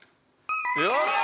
よし！